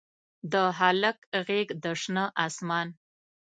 د هلک غیږ د شنه اسمان